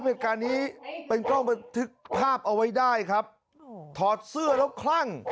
เหตุการณ์นี้เป็นกล้องบันทึกภาพเอาไว้ได้ครับถอดเสื้อแล้วคลั่ง